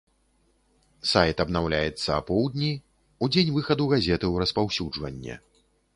Сайт абнаўляецца апоўдні, у дзень выхаду газеты ў распаўсюджванне.